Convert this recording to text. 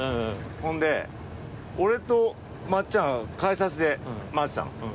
ほんで俺とまっちゃん改札で待ってたの。